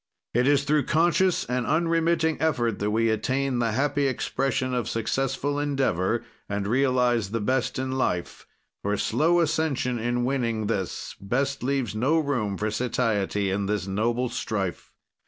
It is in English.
"It is through conscious and unremitting effort that we attain the happy expression of successful endeavor and realize the best in life, for slow ascension in winning this best leaves no room for satiety in this noble strife.